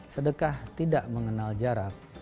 sedekah tidak mengenal jarak